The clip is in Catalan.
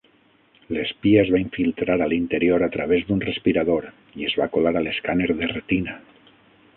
L'espia es va infiltrar a l'interior a través d'un respirador i es va colar a l'escàner de retina.